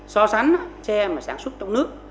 so sánh xe sản xuất trong nước